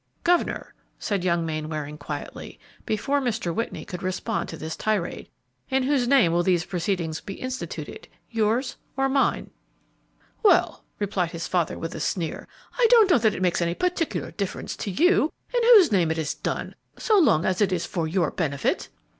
"Governor," said young Mainwaring, quietly, before Mr. Whitney could respond to this tirade, "in whose name will these proceedings be instituted, yours or mine?" "Well," replied his father, with a sneer, "I don't know that it makes any particular difference to you in whose name it is done, so long as it is for your benefit."